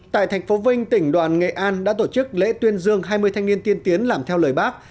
tại thành phố vinh tỉnh đoàn nghệ an đã tổ chức lễ tuyên dương hai mươi thanh niên tiên tiến làm theo lời bác